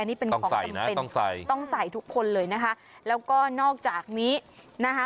ต้องใส่นะต้องใส่ต้องใส่ทุกคนเลยนะคะแล้วก็นอกจากนี้นะคะ